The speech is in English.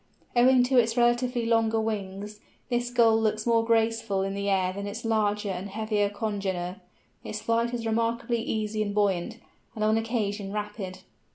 Owing to its relatively longer wings, this Gull looks more graceful in the air than its larger and heavier congener: its flight is remarkably easy and buoyant, and on occasion rapid.